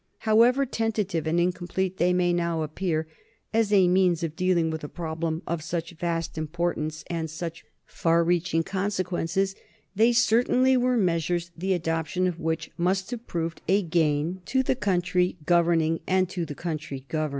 However tentative and incomplete they may now appear as a means of dealing with a problem of such vast importance and such far reaching consequences, they certainly were measures the adoption of which must have proved a gain to the country governing and to the country governed.